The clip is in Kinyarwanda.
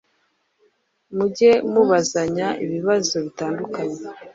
mujye mubazanya ibibazo bitandukanye